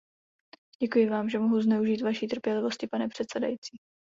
Děkuji vám, že mohu zneužít vaší trpělivosti, pane předsedající.